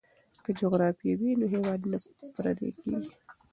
که جغرافیه وي نو هیواد نه پردی کیږي.